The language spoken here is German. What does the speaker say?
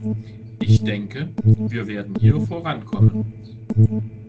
Ich denke, wir werden hier vorankommen.